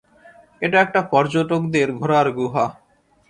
এটা একটা পর্যটকদের ঘোরার গুহা।